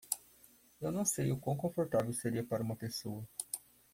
Eu não sei o quão confortável seria para uma pessoa.